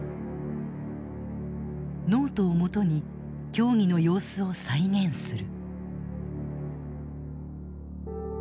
ノートをもとに協議の様子を再現する。